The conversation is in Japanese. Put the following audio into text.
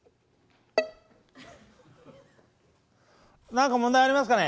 何か問題ありますかね？